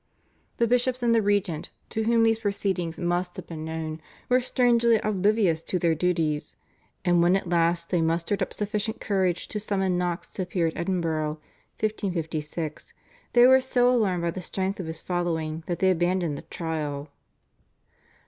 The bishops and the regent, to whom these proceedings must have been known, were strangely oblivious to their duties, and when at last they mustered up sufficient courage to summon Knox to appear at Edinburgh (1556), they were so alarmed by the strength of his following that they abandoned the trial.